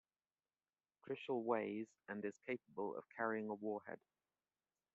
Trishul weighs and is capable of carrying a warhead.